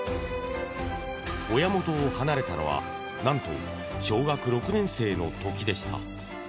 親元を離れたのは何と、小学６年生の時でした。